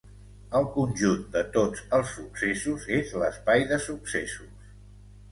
El conjunt de tots els successos és l'Espai de successos.